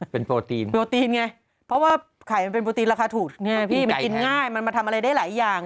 เป็นโปรตีนโปรตีนไงเพราะว่าไข่มันเป็นโปรตีนราคาถูกไงพี่มันกินง่ายมันมาทำอะไรได้หลายอย่าง